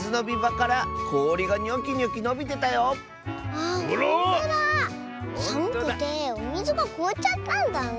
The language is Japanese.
あら⁉さむくておみずがこおっちゃったんだね。